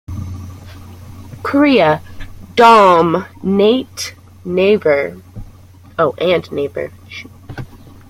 Korea, Daum, Nate, and Naver.